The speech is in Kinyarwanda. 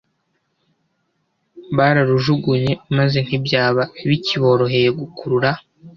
Bararujugunye maze ntibyaba bikiboroheye gukurura